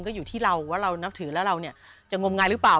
ก็อยู่ที่เราว่าเรานับถือแล้วเราจะงมงายหรือเปล่า